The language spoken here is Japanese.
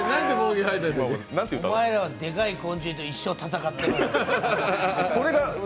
お前らはでかい昆虫と一生戦ってろって。